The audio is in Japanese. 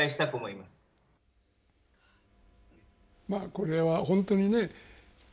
これは本当にね。